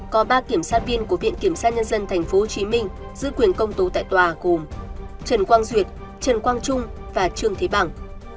có ba kiểm sát viên của viện kiểm sát nhân dân tp hcm giữ quyền công tố tại tòa gồm trần quang duyệt trần quang trung và trương thế bằng